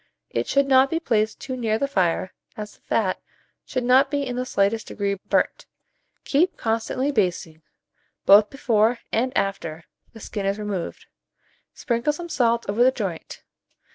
It should not be placed too near the fire, as the fat should not be in the slightest degree burnt. Keep constantly basting, both before and after the skin is removed; sprinkle some salt over the joint.